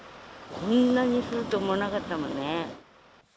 こんなに降ると思わなかったもんね。